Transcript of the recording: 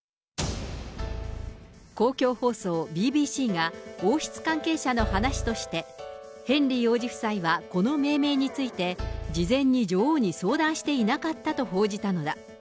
公共放送、ＢＢＣが王室関係者の話として、ヘンリー王子夫妻はこの命名について、事前に女王に相談していなかったと報じたのだ。